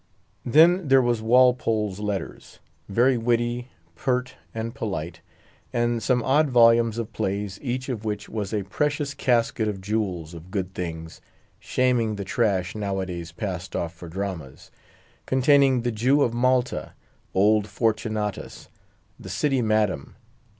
Then there was Walpole's Letters—very witty, pert, and polite—and some odd volumes of plays, each of which was a precious casket of jewels of good things, shaming the trash nowadays passed off for dramas, containing "The Jew of Malta," "Old Fortunatus," "The City Madam."